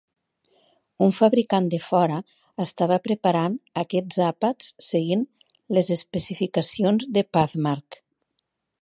Un fabricant de fora estava preparant aquests àpats seguint les especificacions de Pathmark.